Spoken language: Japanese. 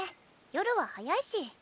夜は早いし。